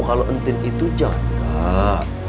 kalau entin itu jantah